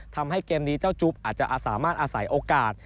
ทำให้เกมนี้เจ้าจุ๊บอาจจะสามารถอาศัยโอกาส